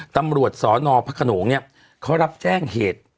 ตำรวจสนพระโขนงเขารับแจ้งเหตุ